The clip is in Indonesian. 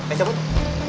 eh siapa tuh